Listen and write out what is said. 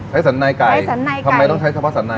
ไก่สันในไก่ไก่สันในไก่ทำไมต้องใช้เฉพาะสันใน